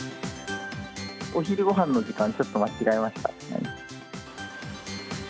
お昼ごはんの時間、ちょっと間違えましたね。